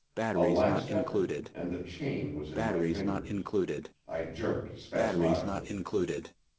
A last effort, and the chain was in my fingers. I jerked spasmodically.